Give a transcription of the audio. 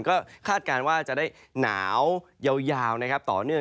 ก็คาดการณ์ว่าจะได้หนาวยาวนะครับต่อเนื่อง